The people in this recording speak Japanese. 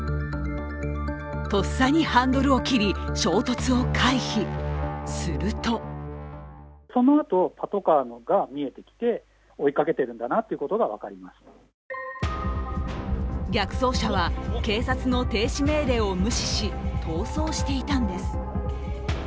とっさにハンドルを切り衝突を回避、すると逆走車は警察の停止命令を無視し逃走していたんです。